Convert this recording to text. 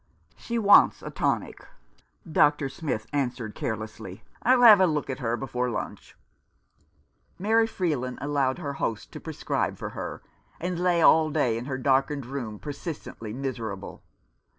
"She wants a tonic," Dr. Smith answered carelessly. " I'll have a look at her before lunch." 165 Rough Justice. Mary Freeland allowed her host to prescribe for her, and lay all day in her darkened room per sistently miserable.